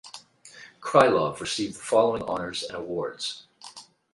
Krylov received the following honours and awards.